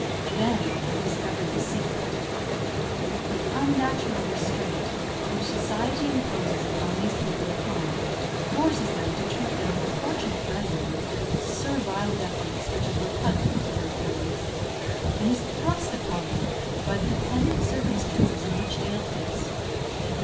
Then I discovered the secret. The unnatural restraint which society imposes upon these people at home forces them to treat their more fortunate brethren with a servile deference which is repugnant to their feelings, and is thrust upon them by the dependent circumstances in which they are placed.